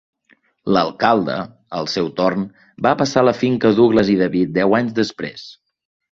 L'alcalde, al seu torn, va passar la finca a Douglas i David deu anys després.